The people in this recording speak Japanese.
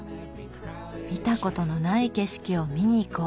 見たことのない景色を見にいこう。